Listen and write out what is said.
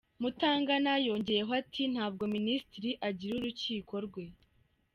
Mutangana yongeyeho ati “Ntabwo minisitiri agira urukiko rwe.